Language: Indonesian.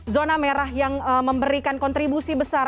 zona merah yang memberikan kontribusi besar